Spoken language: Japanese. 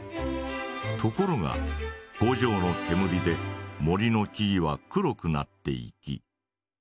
ところが工場のけむりで森の木々は黒くなっていき。